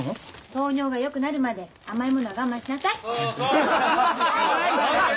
糖尿がよくなるまで甘いものは我慢しなさい。